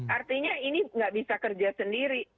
artinya ini nggak bisa kerja sendiri